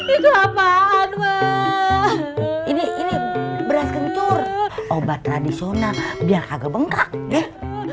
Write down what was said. itu apaan ini ini beras kencur obat radisona biar kaget bengkak deh